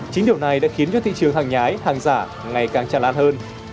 chính điều này đã khiến cho thị trường hàng nhái hàng giả ngày càng tràn lan hơn